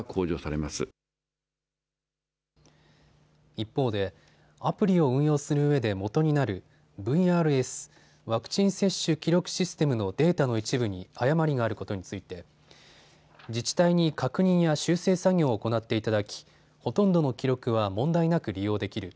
一方でアプリを運用するうえでもとになるＶＲＳ・ワクチン接種記録システムのデータの一部に誤りがあることについて自治体に確認や修正作業を行っていただきほとんどの記録は問題なく利用できる。